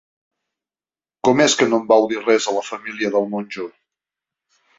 ¿Com és que no en vau dir res a la família del monjo?